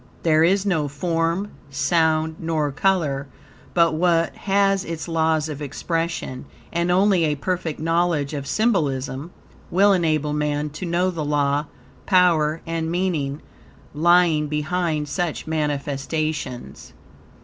There is no form, sound, nor color but what has its laws of expression; and only a perfect knowledge of symbolism will enable man to know the law, power, and meaning, lying behind such manifestations.